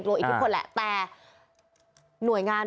คุณผู้ชมไปฟังเสียงพร้อมกัน